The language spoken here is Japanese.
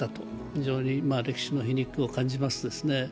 非常に歴史の皮肉を感じますですね。